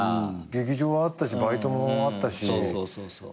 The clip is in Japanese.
劇場はあったしバイトもあったし。